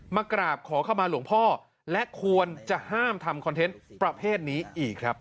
มากราบขอเข้ามาหลวงพ่อและควรจะห้ามทำคอนเทนต์ประเภทนี้อีกครับ